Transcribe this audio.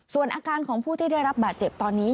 ส่วนอาการของผู้ที่ได้รับบาดเจ็บตอนนี้